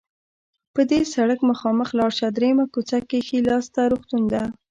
په دې سړک مخامخ لاړ شه، دریمه کوڅه کې ښي لاس ته روغتون ده.